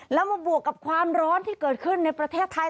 แล้วมาบวกกับความร้อนที่เกิดขึ้นในประเทศไทย